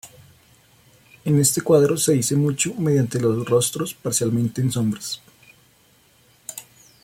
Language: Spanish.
En este cuadro, se dice mucho mediante los rostros parcialmente en sombras.